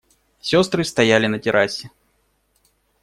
Сестры стояли на террасе.